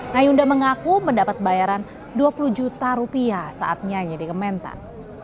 nah yunda mengaku mendapat bayaran dua puluh juta rupiah saat nyanyi di kementan